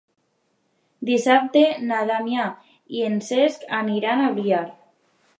Dissabte na Damià i en Cesc aniran a Biar.